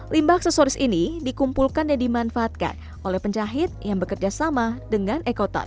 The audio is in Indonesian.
limbah aksesoris ini dikumpulkan dan dimanfaatkan oleh penjahit yang bekerjasama dengan eko touch